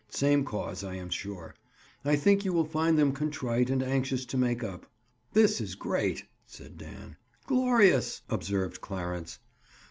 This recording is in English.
Same cause, I am sure. I think you will find them contrite and anxious to make up." "This is great," said Dan. "Glorious!" observed Clarence.